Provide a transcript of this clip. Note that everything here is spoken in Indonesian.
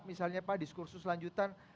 misalnya pak diskursus lanjutan